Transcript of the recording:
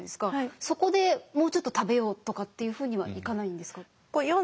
そこでもうちょっと食べようとかっていうふうにはいかないんですか？